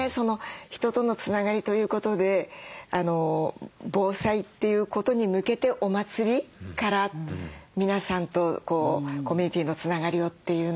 人とのつながりということで防災ということに向けてお祭りから皆さんとコミュニティーのつながりをっていうのも私感激しました。